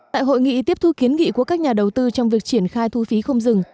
tại hội nghị tiếp thu kiến nghị của các nhà đầu tư trong việc triển khai thu phí không dừng